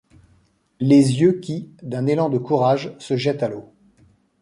Les yeux qui, d’un élan de courage, se jettent à l’eau.